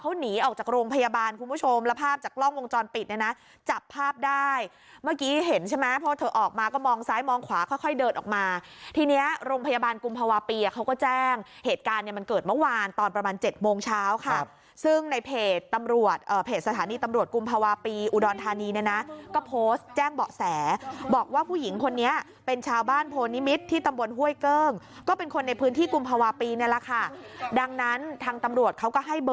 เขาหนีออกจากโรงพยาบาลคุณผู้ชมและภาพจากล้องวงจรปิดในน่ะจับภาพได้เมื่อกี้เห็นใช่ไหมเพราะว่าเธอออกมาก็มองซ้ายมองขวาค่อยเดินออกมาทีนี้โรงพยาบาลกุมภาวะปีเขาก็แจ้งเหตุการณ์เนี้ยมันเกิดเมื่อวานตอนประมาณเจ็ดโมงเช้าค่ะซึ่งในเพจตำรวจเอ่อเพจสถานีตำรวจกุมภาวะ